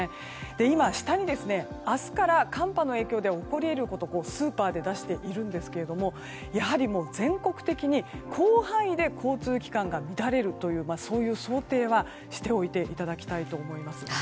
今、下に、明日から寒波の影響で起こり得ることをスーパーで出しているんですがやはり全国的に広範囲で交通機関が乱れるというそういう想定はしておいていただきたいと思います。